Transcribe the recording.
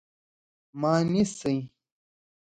_ما نيسئ؟